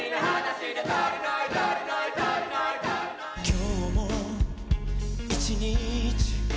「今日も１日」